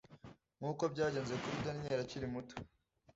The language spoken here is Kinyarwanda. nkuko byagenze kuri Daniyeli akiri muto